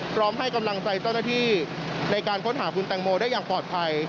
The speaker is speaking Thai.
พร้อมให้กำลังใจเจ้าหน้าที่ในการค้นหาคุณแตงโมได้อย่างปลอดภัย